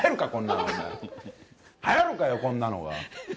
お前、はやるかよ、こんなのが。